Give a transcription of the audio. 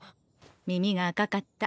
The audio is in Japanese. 耳が赤かった。